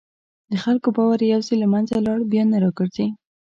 د خلکو باور یو ځل له منځه لاړ، بیا نه راګرځي.